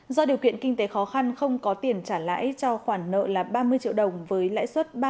do điều kiện kinh tế khó khăn không có tiền trả lãi cho khoản nợ là ba mươi triệu đồng với lãi suất